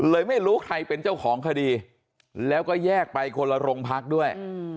ไม่รู้ใครเป็นเจ้าของคดีแล้วก็แยกไปคนละโรงพักด้วย